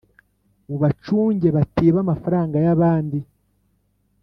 mubacunge batiba amafaranga yabandi